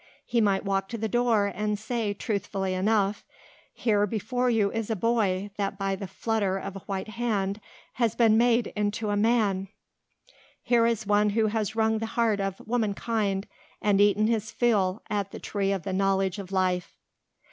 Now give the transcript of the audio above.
He might walk to the door and say, truthfully enough, "Here before you is a boy that by the flutter of a white hand has been made into a man; here is one who has wrung the heart of womankind and eaten his fill at the tree of the knowledge of life."